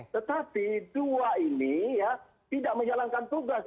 tetapi dua ini ya tidak menjalankan tugas